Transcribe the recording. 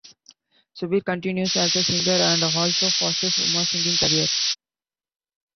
Subir continues as a singer and also fosters Uma's singing career.